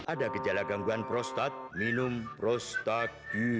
ada gejala gangguan prostat minum prostat